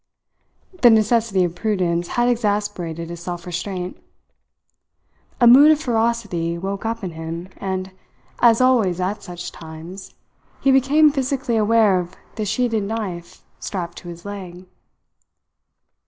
The necessity of prudence had exasperated his self restraint. A mood of ferocity woke up in him, and, as always at such times, he became physically aware of the sheeted knife strapped to his leg.